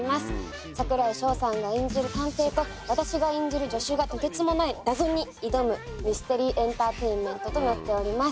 櫻井翔さんが演じる探偵と私が演じる助手がとてつもない謎に挑むミステリーエンターテインメントとなっております。